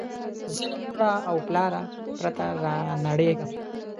زه له موره او پلاره پرته رانړېږم